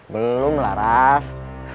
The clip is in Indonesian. belum lah ras